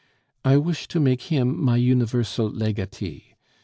"I wish to make him my universal legatee.